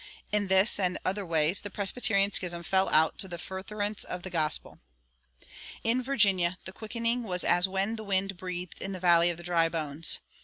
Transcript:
In this and other ways the Presbyterian schism fell out to the furtherance of the gospel. In Virginia the quickening was as when the wind breathed in the valley of dry bones.